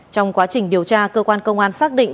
trong quá trình điều tra cơ quan công an xác định